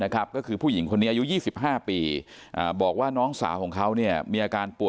ก็คือผู้หญิงคนนี้อายุ๒๕ปี